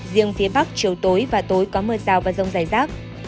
riêng phía bắc chiều tối và tối có mưa rào và rông dài rác